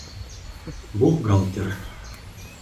Бухгалтер.